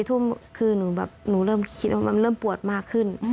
ทุ่มคือหนูแบบหนูเริ่มคิดว่ามันเริ่มปวดมากขึ้น